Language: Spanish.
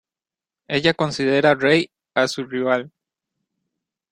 Ella considera Rei a su rival.